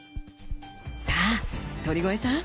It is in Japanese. さあ鳥越さん